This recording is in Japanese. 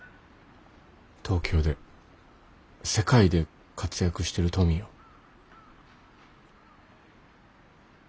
東京で世界で活躍してるトミーを。